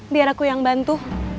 biar aku yang bantu